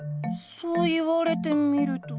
そう言われてみると。